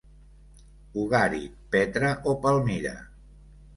Ugarit, Petra o Palmira.